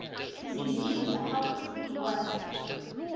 You see he knew just how helpless Hooty was.